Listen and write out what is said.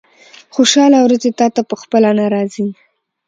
خوشاله ورځې تاته په خپله نه راځي.